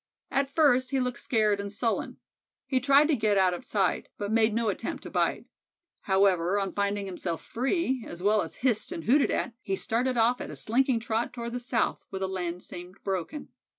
At first he looked scared and sullen. He tried to get out of sight, but made no attempt to bite. However, on finding himself free, as well as hissed and hooted at, he started off at a slinking trot toward the south, where the land seemed broken.